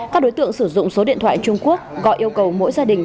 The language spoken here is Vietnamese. các đối tượng sử dụng số điện thoại trung quốc gọi yêu cầu mỗi gia đình